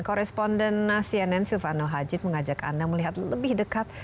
korresponden cnn silvano haji mengajak anda melihat lebih dekat